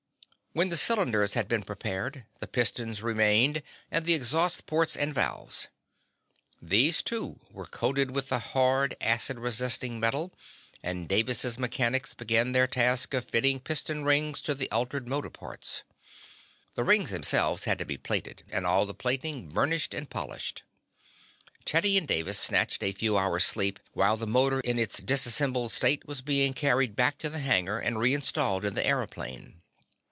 When the cylinders had been prepared, the pistons remained, and the exhaust ports and valves. These, too, were coated with the hard, acid resisting metal, and Davis' mechanics began their task of fitting piston rings to the altered motor parts. The rings themselves had then to be plated, and all the plating burnished and polished. Teddy and Davis snatched a few hours' sleep while the motor in its disassembled state was being carried back to the hangar and re installed in the aëroplane.